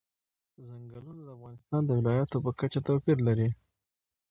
ځنګلونه د افغانستان د ولایاتو په کچه توپیر لري.